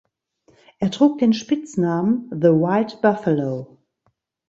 Er trug den Spitznamen "The White Buffalo".